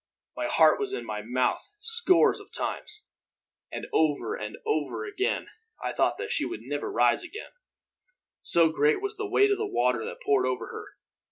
My heart was in my mouth scores of times, and over and over again I thought that she would never rise again, so great was the weight of water that poured over her.